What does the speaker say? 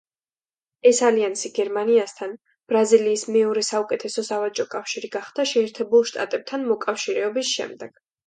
ეს ალიანსი გერმანიასთან ბრაზილიის მეორე საუკეთესო სავაჭრო კავშირი გახდა შეერთებულ შტატებთან მოკავშირეობის შემდეგ.